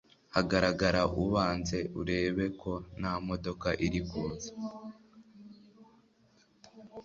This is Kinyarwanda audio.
Hagarara ubanze urebe ko ntamodoka iri kuza